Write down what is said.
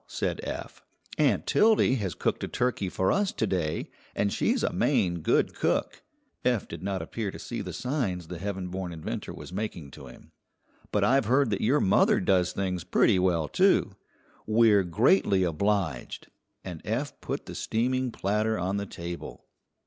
said Eph; "Aunt Tildy has cooked a turkey for us to day, and she's a main good cook" Eph did not appear to see the signs the heaven born inventor was making to him "but I've heard that your mother does things pretty well, too. We're greatly obliged." And Eph put the steaming platter on the table.